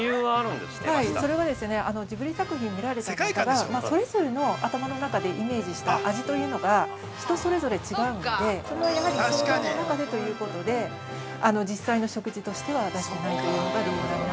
それはですねジブリ作品を見られた方がそれぞれの頭の中でイメージした味というのが人それぞれ違うのでそれは、やはり想像の中でということで実際の食事としては出してないというのが理由になります。